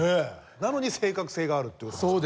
なのに正確性があるっていう事ですか？